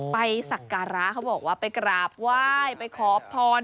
ไปศักร้าเขาบอกว่าไปกลาบไหว้ไปขอพร